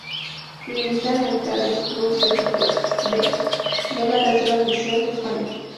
Milita en el Cádiz Club de Fútbol "B" de la Tercera División de España.